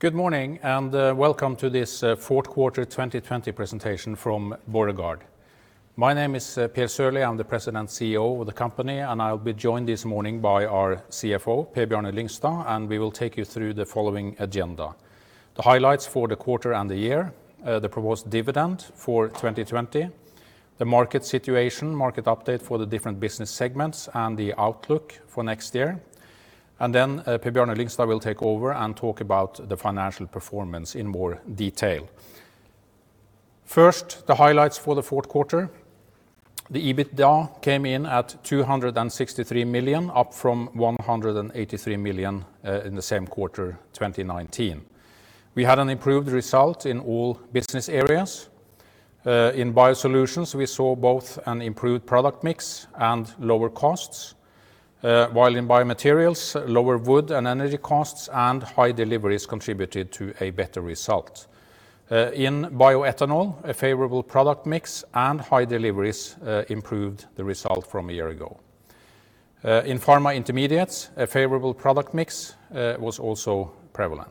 Good morning, and welcome to this fourth quarter 2020 presentation from Borregaard. My name is Per Sørlie, I'm the President CEO of the company, and I'll be joined this morning by our CFO, Per Bjarne Lyngstad, and we will take you through the following agenda. The highlights for the quarter and the year, the proposed dividend for 2020, the market situation, market update for the different business segments, and the outlook for next year. Then Per Bjarne Lyngstad will take over and talk about the financial performance in more detail. First, the highlights for the fourth quarter. The EBITDA came in at 263 million, up from 183 million in the same quarter 2019. We had an improved result in all business areas. In BioSolutions, we saw both an improved product mix and lower costs, while in BioMaterials, lower wood and energy costs and high deliveries contributed to a better result. In Bioethanol, a favorable product mix and high deliveries improved the result from a year ago. In pharma intermediates, a favorable product mix was also prevalent.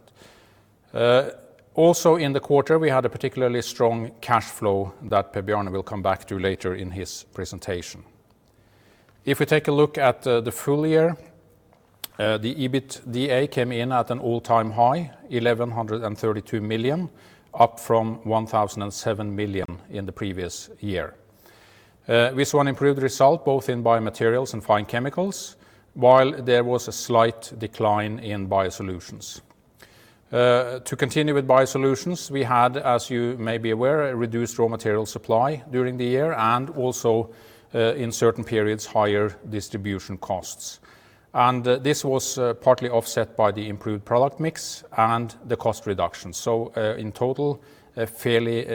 In the quarter, we had a particularly strong cash flow that Per Bjarne will come back to later in his presentation. If we take a look at the full year, the EBITDA came in at an all-time high, 1,132 million, up from 1,007 million in the previous year. We saw an improved result both in BioMaterials and Fine Chemicals, while there was a slight decline in BioSolutions. To continue with BioSolutions, we had, as you may be aware, a reduced raw material supply during the year and also, in certain periods, higher distribution costs. This was partly offset by the improved product mix and the cost reduction. In total, a fairly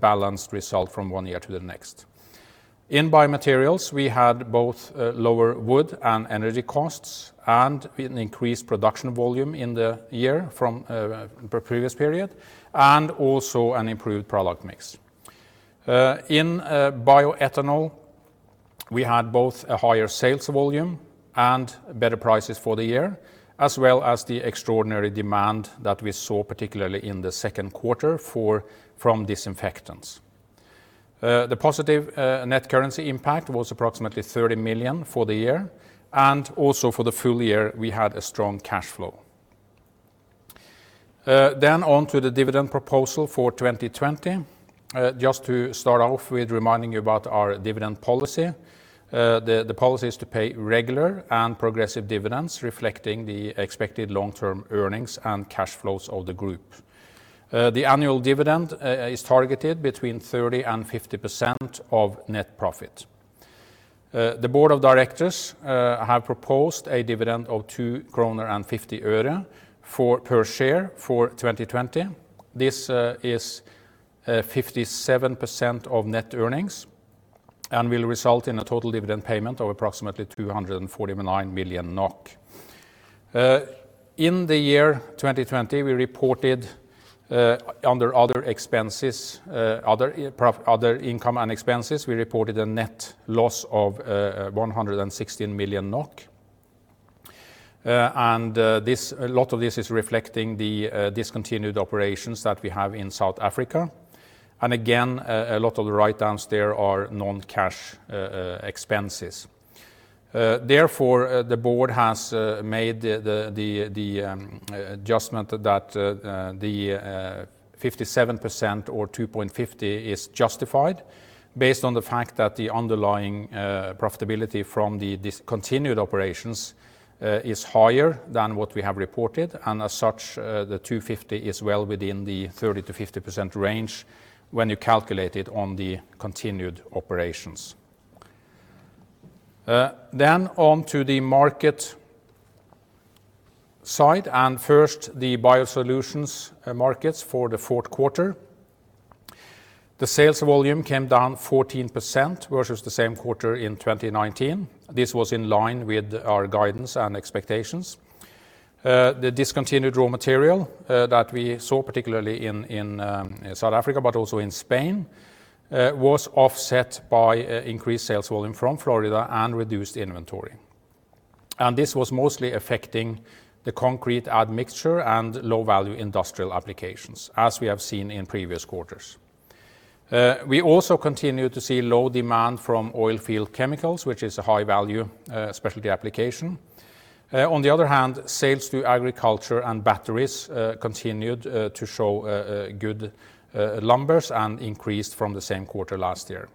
balanced result from one year to the next. In BioMaterials, we had both lower wood and energy costs and an increased production volume in the year from the previous period, and also an improved product mix. In Bioethanol, we had both a higher sales volume and better prices for the year, as well as the extraordinary demand that we saw, particularly in the second quarter from disinfectants. The positive net currency impact was approximately 30 million for the year, and also for the full year, we had a strong cash flow. On to the dividend proposal for 2020. Just to start off with reminding you about our dividend policy. The policy is to pay regular and progressive dividends reflecting the expected long-term earnings and cash flows of the group. The annual dividend is targeted between 30% and 50% of net profit. The Board of Directors have proposed a dividend of NOK 2.50 per share for 2020. This is 57% of net earnings and will result in a total dividend payment of approximately 249 million NOK. In the year 2020, we reported under other income and expenses, we reported a net loss of 116 million NOK. A lot of this is reflecting the discontinued operations that we have in South Africa. Again, a lot of the write-downs there are non-cash expenses. Therefore, the board has made the adjustment that the 57% or 2.50 is justified based on the fact that the underlying profitability from the discontinued operations is higher than what we have reported, and as such, the 2.50 is well within the 30%-50% range when you calculate it on the continued operations. On to the market side, and first, the BioSolutions markets for the fourth quarter. The sales volume came down 14% versus the same quarter in 2019. This was in line with our guidance and expectations. The discontinued raw material that we saw, particularly in South Africa, but also in Spain, was offset by increased sales volume from Florida and reduced inventory. This was mostly affecting the concrete admixture and low-value industrial applications, as we have seen in previous quarters. We also continued to see low demand from oilfield chemicals, which is a high-value specialty application. On the other hand, sales to agriculture and batteries continued to show good numbers and increased from the same quarter last year.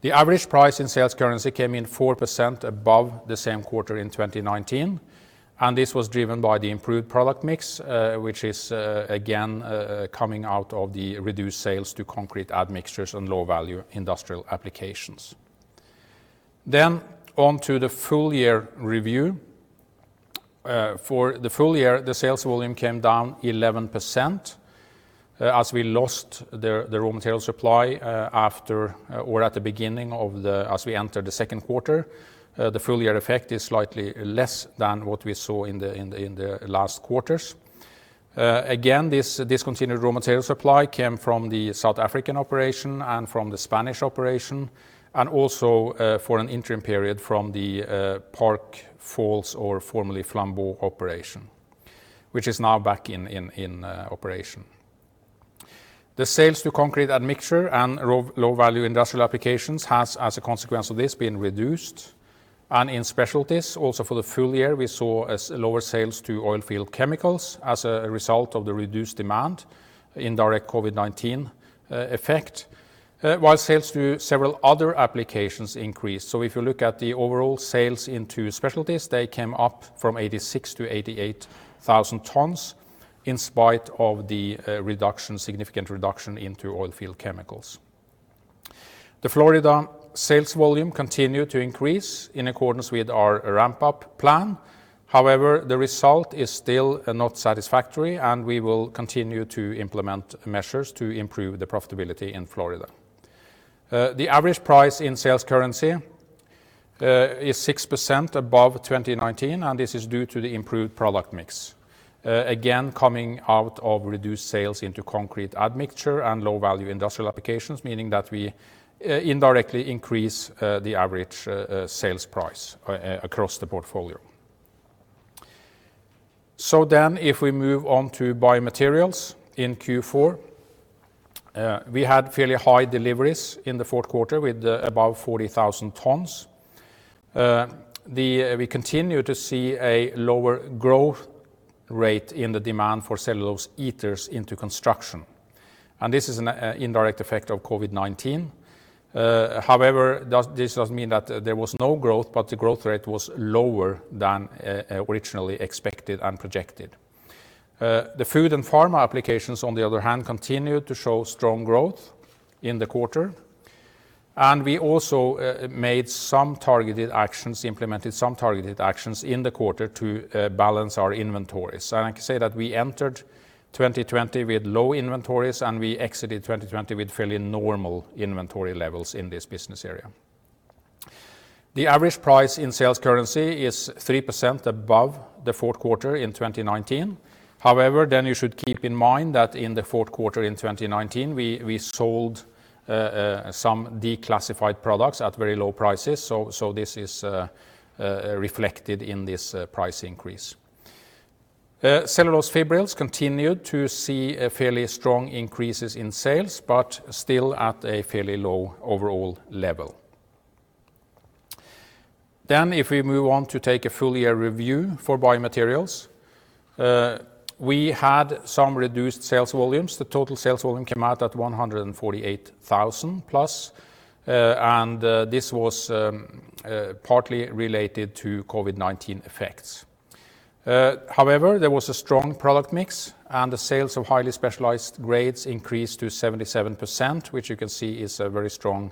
The average price in sales currency came in 4% above the same quarter in 2019. This was driven by the improved product mix, which is again coming out of the reduced sales to concrete admixtures and low-value industrial applications. On to the full year review. For the full year, the sales volume came down 11% as we lost the raw material supply as we entered the second quarter. The full year effect is slightly less than what we saw in the last quarters. This discontinued raw material supply came from the South African operation and from the Spanish operation. Also, for an interim period from the Park Falls, or formerly Flambeau operation, which is now back in operation. The sales to concrete admixture and low-value industrial applications has, as a consequence of this, been reduced. In specialties, also for the full year, we saw lower sales to oilfield chemicals as a result of the reduced demand, indirect COVID-19 effect, while sales to several other applications increased. If you look at the overall sales into specialties, they came up from 86,000 to 88,000 tons in spite of the significant reduction into oilfield chemicals. The Flambeau sales volume continued to increase in accordance with our ramp-up plan. However, the result is still not satisfactory, and we will continue to implement measures to improve the profitability in Flambeau. The average price in sales currency is 6% above 2019, this is due to the improved product mix. Again, coming out of reduced sales into concrete admixture and low-value industrial applications, meaning that we indirectly increase the average sales price across the portfolio. If we move on to BioMaterials in Q4, we had fairly high deliveries in the fourth quarter with above 40,000 tons. We continue to see a lower growth rate in the demand for cellulose ethers into construction, this is an indirect effect of COVID-19. However, this doesn't mean that there was no growth, but the growth rate was lower than originally expected and projected. The food and pharma applications, on the other hand, continued to show strong growth in the quarter. We also implemented some targeted actions in the quarter to balance our inventory. I can say that we entered 2020 with low inventories, and we exited 2020 with fairly normal inventory levels in this business area. The average price in sales currency is 3% above the fourth quarter in 2019. However, you should keep in mind that in the fourth quarter in 2019, we sold some declassified products at very low prices. This is reflected in this price increase. Cellulose fibrils continued to see fairly strong increases in sales, still at a fairly low overall level. If we move on to take a full year review for BioMaterials, we had some reduced sales volumes. The total sales volume came out at 148,000+ and this was partly related to COVID-19 effects. There was a strong product mix, the sales of highly specialized grades increased to 77%, which you can see is a very strong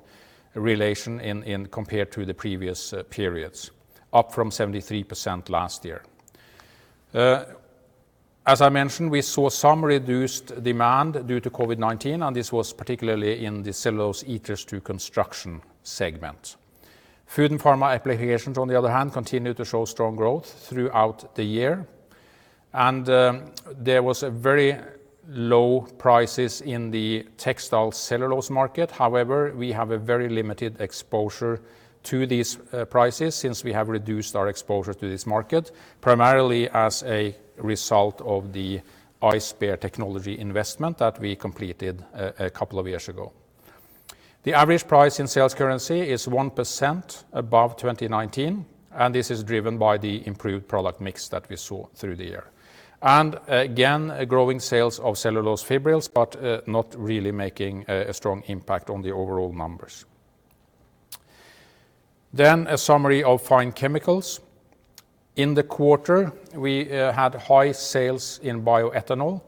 relation compared to the previous periods, up from 73% last year. As I mentioned, we saw some reduced demand due to COVID-19, this was particularly in the cellulose ethers to construction segment. Food and pharma applications, on the other hand, continued to show strong growth throughout the year. There was very low prices in the textile cellulose market. However, we have a very limited exposure to these prices since we have reduced our exposure to this market, primarily as a result of the Ice Bear technology investment that we completed a couple of years ago. The average price in sales currency is 1% above 2019, and this is driven by the improved product mix that we saw through the year. Again, growing sales of cellulose fibrils, but not really making a strong impact on the overall numbers. A summary of Fine Chemicals. In the quarter, we had high sales in bioethanol,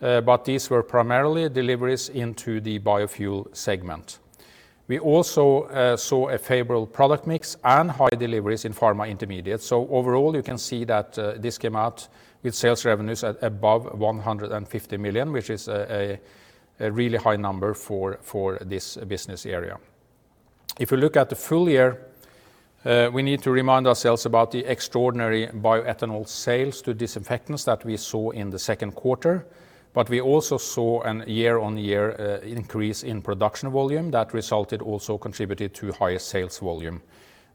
but these were primarily deliveries into the biofuel segment. We also saw a favorable product mix and high deliveries in pharma intermediates. Overall, you can see that this came out with sales revenues at above 150 million, which is a really high number for this business area. If you look at the full year, we need to remind ourselves about the extraordinary bioethanol sales to disinfectants that we saw in the second quarter, but we also saw a year-on-year increase in production volume that contributed to higher sales volume,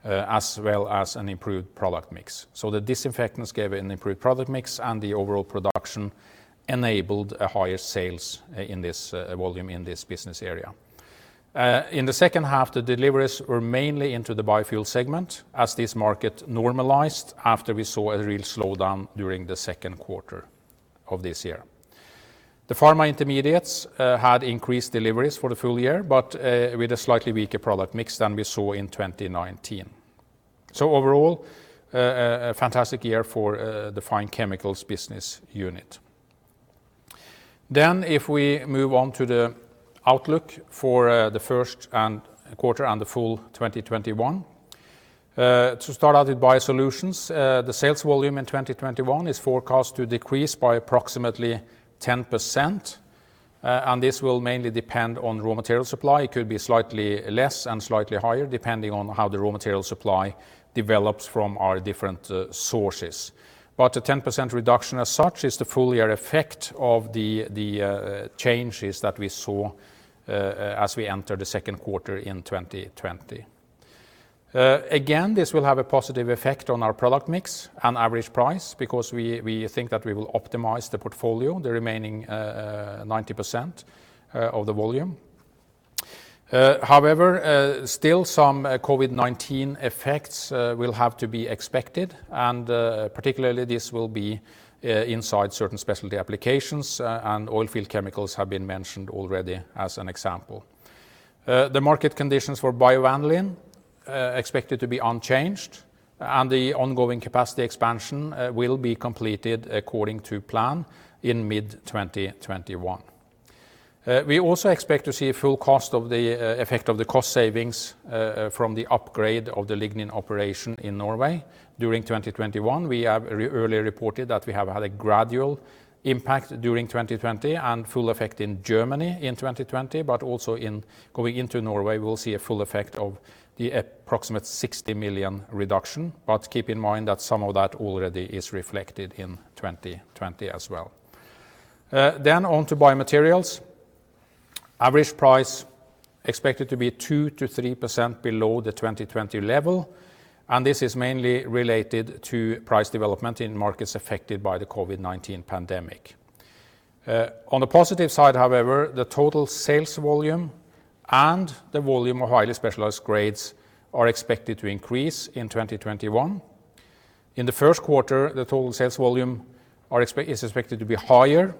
as well as an improved product mix. The disinfectants gave an improved product mix, and the overall production enabled a higher sales volume in this business area. In the second half, the deliveries were mainly into the biofuel segment as this market normalized after we saw a real slowdown during the second quarter of this year. The pharma intermediates had increased deliveries for the full year, but with a slightly weaker product mix than we saw in 2019. Overall, a fantastic year for the Fine Chemicals business unit. If we move on to the outlook for the first quarter and the full 2021. To start out with BioSolutions, the sales volume in 2021 is forecast to decrease by approximately 10%. And this will mainly depend on raw material supply. It could be slightly less and slightly higher, depending on how the raw material supply develops from our different sources. A 10% reduction as such is the full-year effect of the changes that we saw as we enter the second quarter in 2020. This will have a positive effect on our product mix and average price because we think that we will optimize the portfolio, the remaining 90% of the volume. However, still some COVID-19 effects will have to be expected, and particularly this will be inside certain specialty applications, and oilfield chemicals have been mentioned already as an example. The market conditions for biovanillin expected to be unchanged, and the ongoing capacity expansion will be completed according to plan in mid-2021. We also expect to see a full cost of the effect of the cost savings from the upgrade of the lignin operation in Norway during 2021. We have earlier reported that we have had a gradual impact during 2020 and full effect in Germany in 2020, but also going into Norway, we'll see a full effect of the approximate 60 million reduction, but keep in mind that some of that already is reflected in 2020 as well. On to BioMaterials. Average price expected to be 2%-3% below the 2020 level, this is mainly related to price development in markets affected by the COVID-19 pandemic. On the positive side, however, the total sales volume and the volume of highly specialized grades are expected to increase in 2021. In the first quarter, the total sales volume is expected to be higher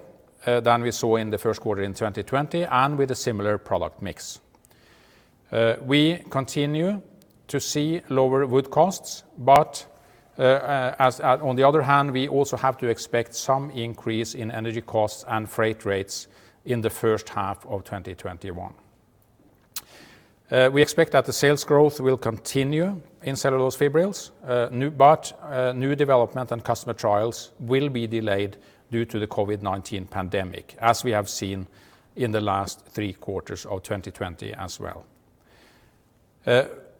than we saw in the first quarter in 2020 and with a similar product mix. We continue to see lower wood costs, on the other hand, we also have to expect some increase in energy costs and freight rates in the first half of 2021. We expect that the sales growth will continue in cellulose fibrils, new development and customer trials will be delayed due to the COVID-19 pandemic, as we have seen in the last three quarters of 2020 as well.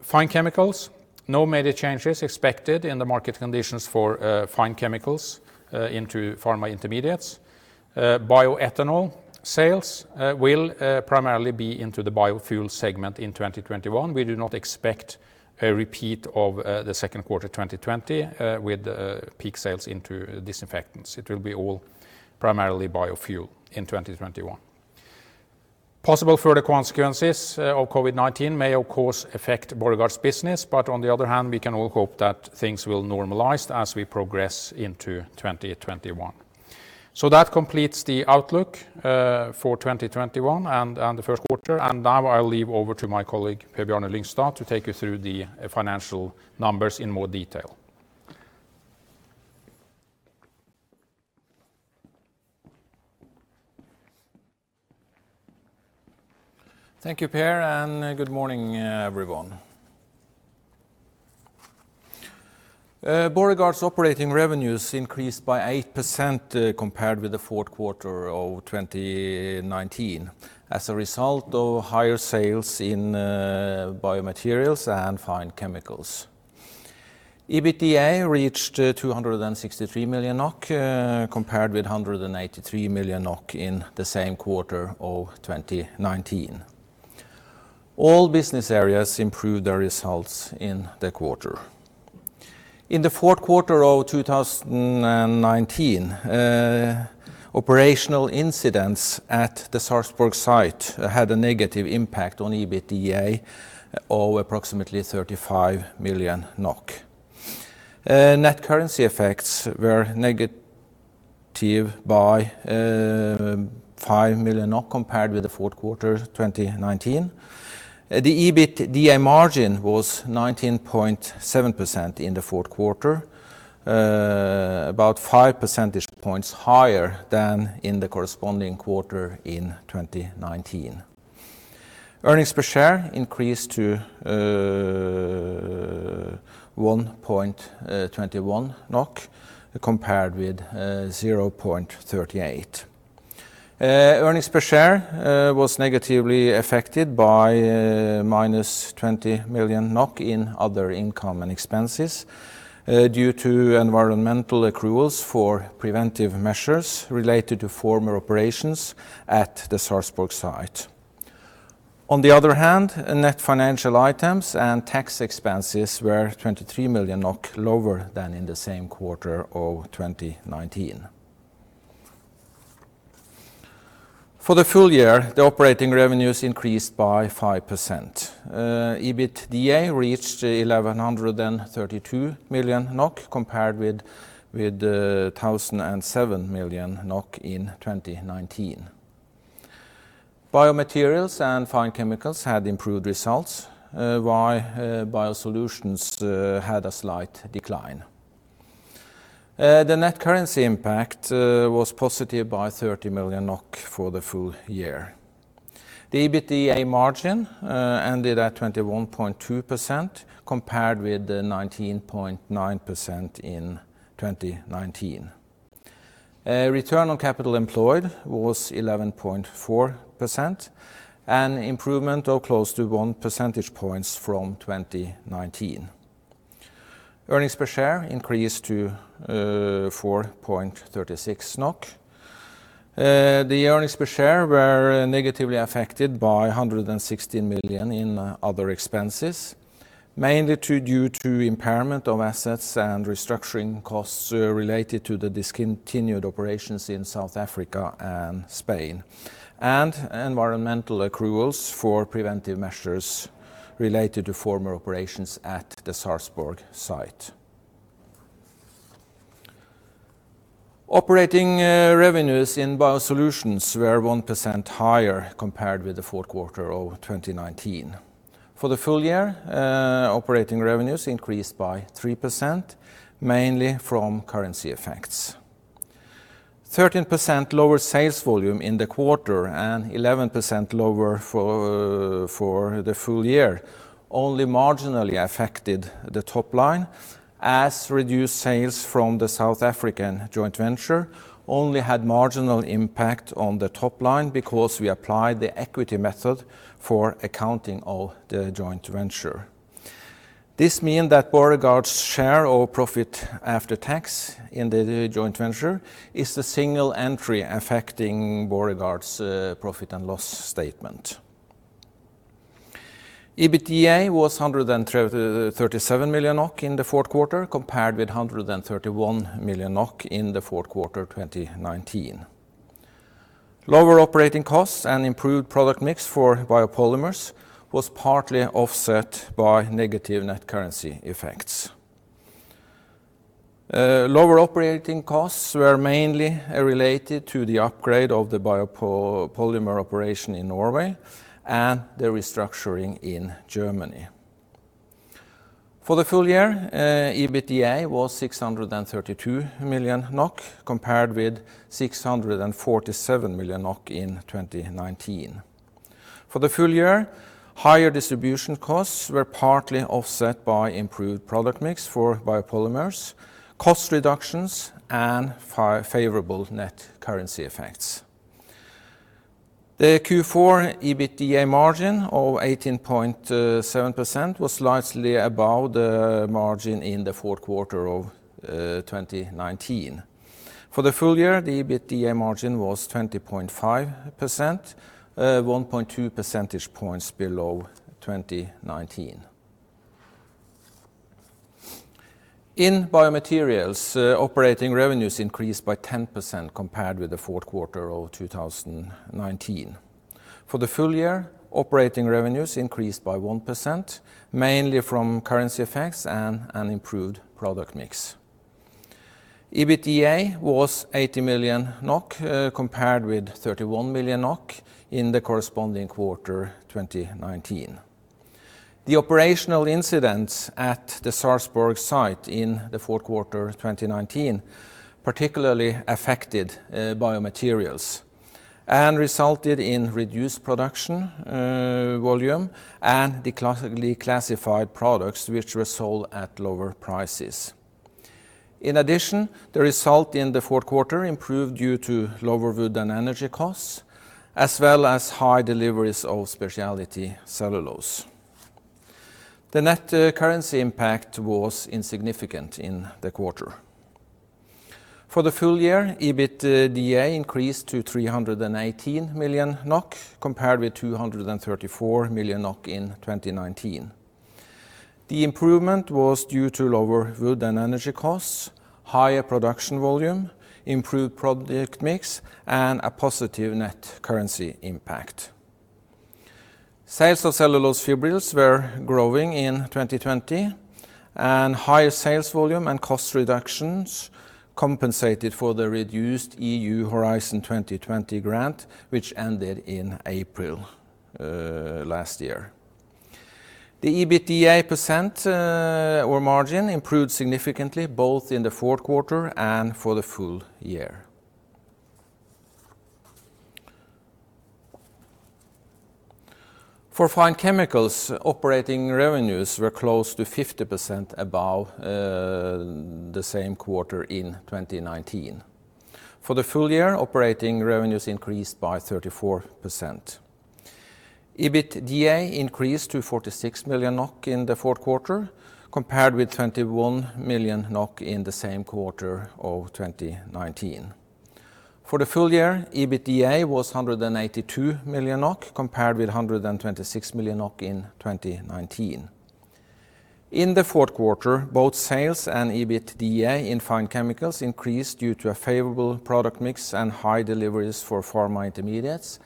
Fine Chemicals, no major changes expected in the market conditions for Fine Chemicals into pharma intermediates. Bioethanol sales will primarily be into the biofuel segment in 2021. We do not expect a repeat of the second quarter 2020 with peak sales into disinfectants. It will be all primarily biofuel in 2021. Possible further consequences of COVID-19 may, of course, affect Borregaard's business, but on the other hand, we can all hope that things will normalize as we progress into 2021. That completes the outlook for 2021 and the first quarter. Now I'll leave over to my colleague, Per Bjarne Lyngstad, to take you through the financial numbers in more detail. Thank you, Per, and good morning, everyone. Borregaard's operating revenues increased by 8% compared with the fourth quarter of 2019 as a result of higher sales in BioMaterials and Fine Chemicals. EBITDA reached 263 million NOK, compared with 183 million NOK in the same quarter of 2019. All business areas improved their results in the quarter. In the fourth quarter of 2019, operational incidents at the Sarpsborg site had a negative impact on EBITDA of approximately 35 million NOK. Net currency effects were negative by NOK 5 million compared with the fourth quarter 2019. The EBITDA margin was 19.7% in the fourth quarter, about five percentage points higher than in the corresponding quarter in 2019. Earnings per share increased to 1.21 NOK compared with 0.38. Earnings per share was negatively affected by minus 20 million NOK in other income and expenses due to environmental accruals for preventive measures related to former operations at the Sarpsborg site. On the other hand, net financial items and tax expenses were 23 million NOK, lower than in the same quarter of 2019. For the full year, the operating revenues increased by 5%. EBITDA reached 1,132 million NOK compared with 1,007 million NOK in 2019. BioMaterials and Fine Chemicals had improved results, while BioSolutions had a slight decline. The net currency impact was positive by 30 million NOK for the full year. The EBITDA margin ended at 21.2%, compared with the 19.9% in 2019. Return on capital employed was 11.4%, an improvement of close to one percentage points from 2019. Earnings per share increased to 4.36 NOK. The earnings per share were negatively affected by 116 million in other expenses, mainly due to impairment of assets and restructuring costs related to the discontinued operations in South Africa and Spain, and environmental accruals for preventive measures related to former operations at the Sarpsborg site. Operating revenues in BioSolutions were 1% higher compared with the fourth quarter of 2019. For the full year, operating revenues increased by 3%, mainly from currency effects. 13% lower sales volume in the quarter and 11% lower for the full year only marginally affected the top line, as reduced sales from the South African joint venture only had marginal impact on the top line because we applied the equity method for accounting of the joint venture. This mean that Borregaard's share or profit after tax in the joint venture is the single entry affecting Borregaard's profit and loss statement. EBITDA was 137 million NOK in the fourth quarter, compared with 131 million NOK in the fourth quarter 2019. Lower operating costs and improved product mix for biopolymers was partly offset by negative net currency effects. Lower operating costs were mainly related to the upgrade of the biopolymer operation in Norway and the restructuring in Germany. For the full year, EBITDA was 632 million NOK, compared with 647 million NOK in 2019. For the full year, higher distribution costs were partly offset by improved product mix for biopolymers, cost reductions, and favorable net currency effects. The Q4 EBITDA margin of 18.7% was slightly above the margin in the fourth quarter of 2019. For the full year, the EBITDA margin was 20.5%, 1.2 percentage points below 2019. In BioMaterials, operating revenues increased by 10% compared with the fourth quarter of 2019. For the full year, operating revenues increased by 1%, mainly from currency effects and an improved product mix. EBITDA was 80 million NOK, compared with 31 million NOK in the corresponding quarter 2019. The operational incidents at the Sarpsborg site in the fourth quarter 2019 particularly affected BioMaterials, and resulted in reduced production volume and declassified products which were sold at lower prices. In addition, the result in the fourth quarter improved due to lower wood and energy costs, as well as high deliveries of speciality cellulose. The net currency impact was insignificant in the quarter. For the full year, EBITDA increased to 318 million NOK, compared with 234 million NOK in 2019. The improvement was due to lower wood and energy costs, higher production volume, improved product mix, and a positive net currency impact. Sales of cellulose fibrils were growing in 2020. Higher sales volume and cost reductions compensated for the reduced EU Horizon 2020 grant, which ended in April last year. The EBITDA percent or margin improved significantly both in the fourth quarter and for the full year. For Fine Chemicals, operating revenues were close to 50% above the same quarter in 2019. For the full year, operating revenues increased by 34%. EBITDA increased to 46 million NOK in the fourth quarter, compared with 21 million NOK in the same quarter of 2019. For the full year, EBITDA was 182 million NOK, compared with 126 million NOK in 2019. In the fourth quarter, both sales and EBITDA in Fine Chemicals increased due to a favorable product mix and high deliveries for pharma intermediates,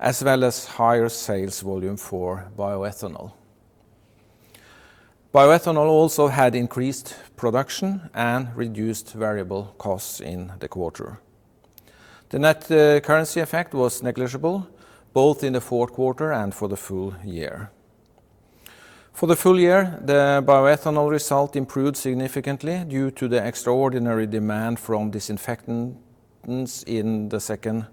as well as higher sales volume for bioethanol. Bioethanol also had increased production and reduced variable costs in the quarter. The net currency effect was negligible both in the fourth quarter and for the full year. For the full year, the bioethanol result improved significantly due to the extraordinary demand from disinfectants in the second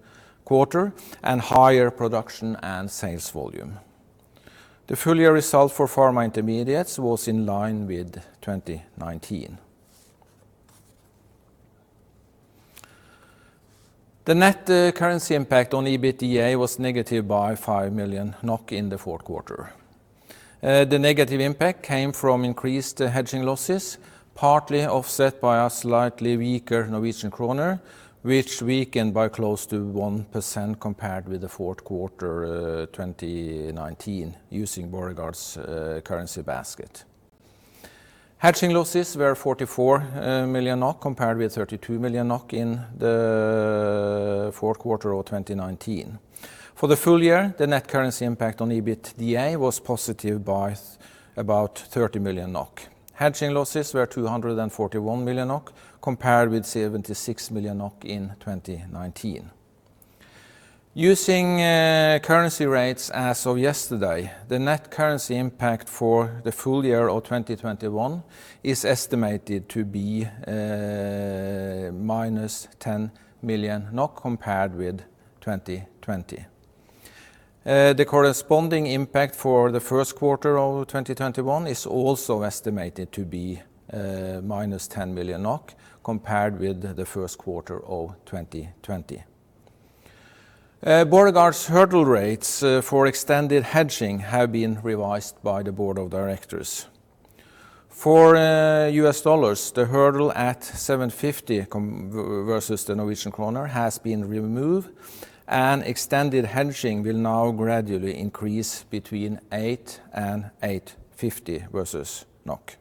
quarter, and higher production and sales volume. The full year result for pharma intermediates was in line with 2019. The net currency impact on EBITDA was negative by 5 million NOK in the fourth quarter. The negative impact came from increased hedging losses, partly offset by a slightly weaker Norwegian kroner, which weakened by close to 1% compared with the fourth quarter 2019 using Borregaard's currency basket. Hedging losses were 44 million NOK compared with 32 million NOK in the fourth quarter of 2019. For the full year, the net currency impact on EBITDA was positive by about 30 million NOK. Hedging losses were 241 million NOK compared with 76 million NOK in 2019. Using currency rates as of yesterday, the net currency impact for the full year of 2021 is estimated to be minus 10 million compared with 2020. The corresponding impact for the first quarter of 2021 is also estimated to be minus 10 million NOK compared with the first quarter of 2020. Borregaard's hurdle rates for extended hedging have been revised by the board of directors. For US dollars, the hurdle at 750 versus the Norwegian kroner has been removed, and extended hedging will now gradually increase between 8 and 8.50 versus NOK.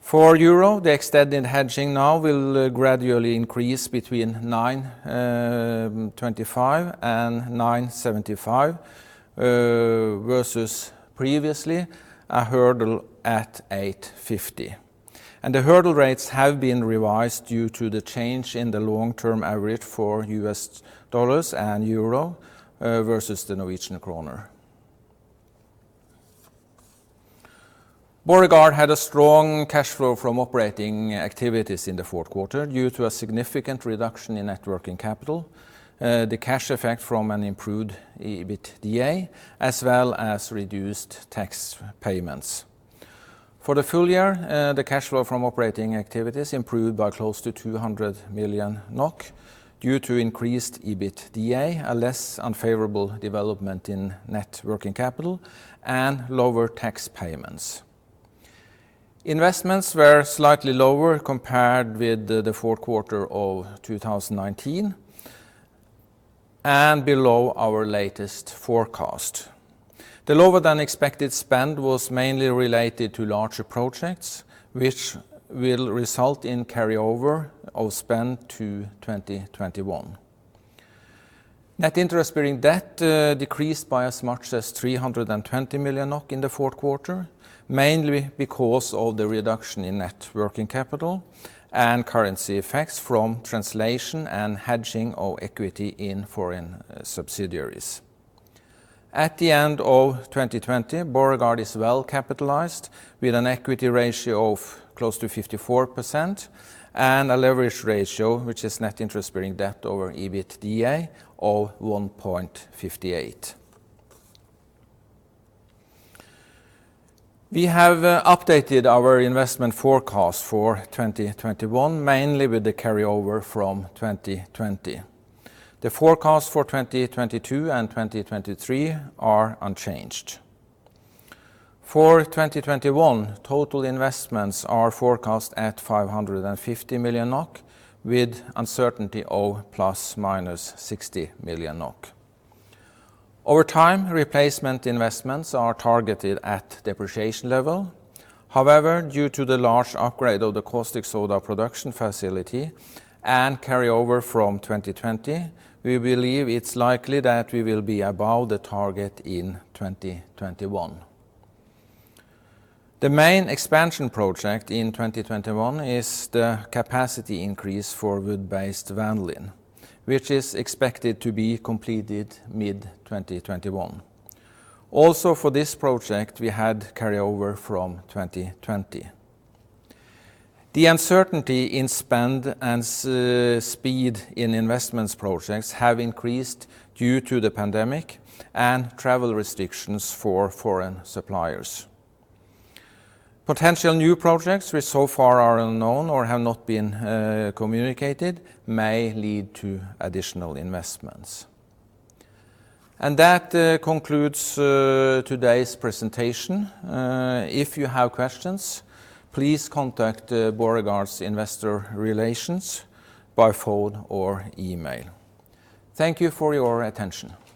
For euro, the extended hedging now will gradually increase between 9.25 and 9.75 versus previously a hurdle at 8.50. The hurdle rates have been revised due to the change in the long-term average for US dollars and euro versus the Norwegian kroner. Borregaard had a strong cash flow from operating activities in the fourth quarter due to a significant reduction in net working capital, the cash effect from an improved EBITDA, as well as reduced tax payments. For the full year, the cash flow from operating activities improved by close to 200 million NOK due to increased EBITDA, a less unfavorable development in net working capital, and lower tax payments. Investments were slightly lower compared with the fourth quarter of 2019, and below our latest forecast. The lower-than-expected spend was mainly related to larger projects, which will result in carryover of spend to 2021. Net interest-bearing debt decreased by as much as 320 million NOK in the fourth quarter, mainly because of the reduction in net working capital and currency effects from translation and hedging of equity in foreign subsidiaries. At the end of 2020, Borregaard is well capitalized with an equity ratio of close to 54% and a leverage ratio, which is net interest-bearing debt over EBITDA, of 1.58x. We have updated our investment forecast for 2021, mainly with the carryover from 2020. The forecast for 2022 and 2023 are unchanged. For 2021, total investments are forecast at 550 million NOK, with uncertainty of ±60 million NOK. Over time, replacement investments are targeted at depreciation level. However, due to the large upgrade of the caustic soda production facility and carryover from 2020, we believe it's likely that we will be above the target in 2021. The main expansion project in 2021 is the capacity increase for wood-based vanillin, which is expected to be completed mid-2021. Also, for this project, we had carryover from 2020. The uncertainty in spend and speed in investments projects have increased due to the pandemic and travel restrictions for foreign suppliers. Potential new projects which so far are unknown or have not been communicated may lead to additional investments. That concludes today's presentation. If you have questions, please contact Borregaard's investor relations by phone or email. Thank you for your attention.